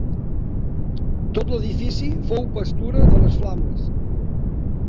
Tot l'edifici fou pastura de les flames.